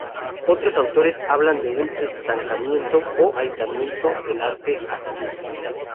Otros autores hablan de un estancamiento o aislamiento del arte astur.